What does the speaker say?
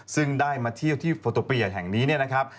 ซึ่งได้มาเที่ยวที่โฟโตเปียแห่งนี้เนี่ยนะครับ